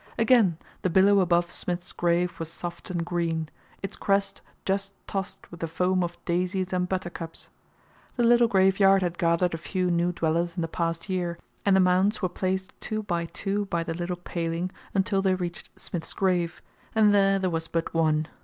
Again the billow above Smith's grave was soft and green, its crest just tossed with the foam of daisies and buttercups. The little graveyard had gathered a few new dwellers in the past year, and the mounds were placed two by two by the little paling until they reached Smith's grave, and there there was but one.